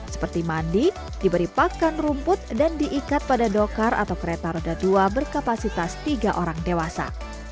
seperti mandi diberi pakan rumput dan diikat pada dokar atau kereta roda dua berkapasitas tiga orang dewasa